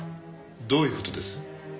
どういう事です？